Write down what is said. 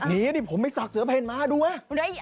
หนีผมไม่สักเสื้อเพล็ดมาดูไหม